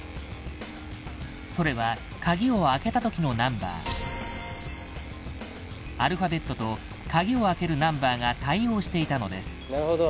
「それは鍵を開けたときのナンバー」「アルファベットと鍵を開けるナンバーが対応していたのです」